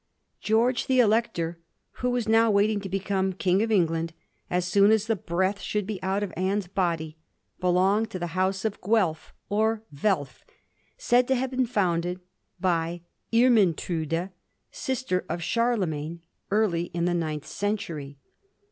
George the Elector, who was now waiting to become King of England as soon as the breath should be out of Anne's body, belonged to the House of Guelf, or Welf, said to have been founded by Guelf, the son of Isembert, a count of Altdorf, and Irmintrude, sister of Charlemagne, early in the ninth century.